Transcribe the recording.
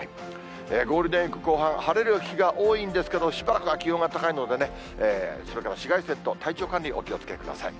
ゴールデンウィーク後半、晴れる日が多いんですけど、しばらくは気温が高いのでね、それから紫外線と、体調管理、お気をつけください。